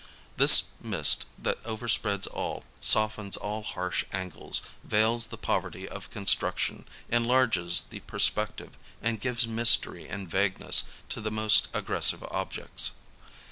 This mist, that overspreads all, softens all harsh angles, veils the poverty of construction, enlarges the per , spective and gives mystery and vagueness to the most A DAY IN LONDON 49 aggressive objects.